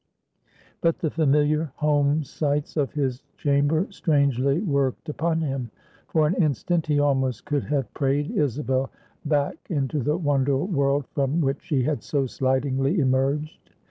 But the familiar home sights of his chamber strangely worked upon him. For an instant, he almost could have prayed Isabel back into the wonder world from which she had so slidingly emerged.